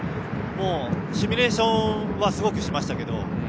シミュレーションはすごくしましたけど。